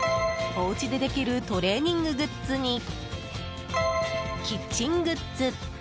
おうちでできるトレーニンググッズにキッチングッズ。